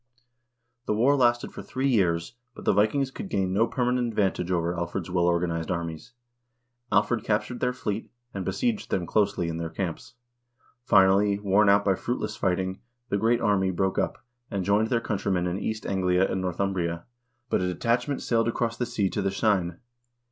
The war lasted for three years, but the Vikings could gain no permanent advantage over Alfred's well organized armies. Alfred captured their fleet, and besieged them closely in their camps. Finally, worn out by fruitless fighting, the "Great Army" broke up, and joined their countrymen in East Anglia and Northumbria, but a detachment sailed across the sea to the Seine.